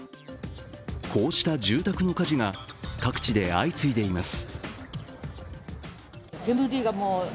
こうした住宅の火事が各地で相次いでいます。